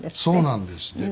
そうなんです。